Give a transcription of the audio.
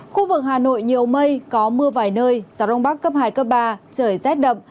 khu vực hà nội nhiều mây có mưa vài nơi gió đông bắc cấp hai cấp ba trời rét đậm